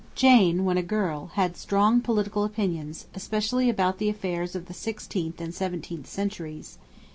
Jane, when a girl, had strong political opinions, especially about the affairs of the sixteenth and seventeenth centuries.